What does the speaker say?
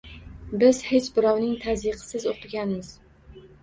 Biz hech birovning tazyiqisiz o'qiganmiz